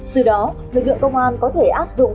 từ đó lực lượng công an có thể áp dụng